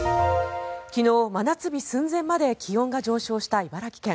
昨日、真夏日寸前まで気温が上昇した茨城県。